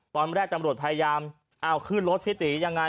ตอนแรกตำรวจพยายามขึ้นรถเที่ยวตี๋ยังไง